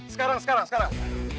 sekarang sekarang sekarang